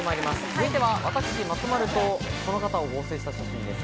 続いては私松丸と、この方を合成した写真です。